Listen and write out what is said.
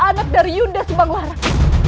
anak anak dari yunda subanglaran